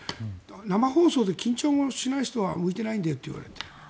生放送で緊張もしない人は向いてないんだよって言われて。